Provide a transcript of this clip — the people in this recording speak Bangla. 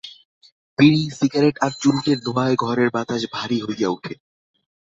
বিড়ি, সিগারেট আর চুরুটের ধোঁয়ায় ঘরের বাতাস ভারী হইয়া ওঠে।